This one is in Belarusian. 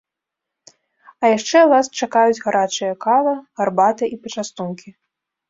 А яшчэ вас чакаюць гарачыя кава, гарбата і пачастункі.